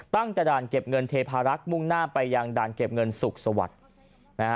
ตั้งแต่ด่านเก็บเงินเทพารักษ์มุ่งหน้าไปยังด่านเก็บเงินสุขสวัสดิ์นะฮะ